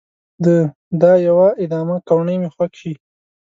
د دا يوه ادامه کوڼۍ مې خوږ شي